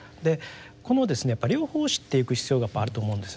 この両方を知っていく必要がやっぱあると思うんですね。